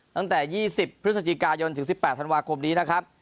ตั้งแต่๒๐พฤศจิกายนถึง๑๘ธันวาคมนี้นะครับ